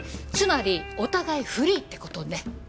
つまりお互いフリーってことね。